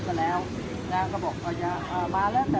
ตอนนี้กำหนังไปคุยของผู้สาวว่ามีคนละตบ